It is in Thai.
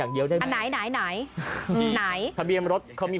นกแดยกแดงตัวนี้